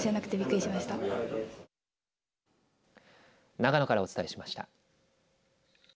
長野からお伝えしました。